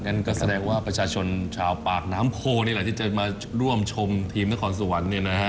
งั้นก็แสดงว่าประชาชนชาวปากน้ำโพนี่แหละที่จะมาร่วมชมทีมนครสวรรค์เนี่ยนะฮะ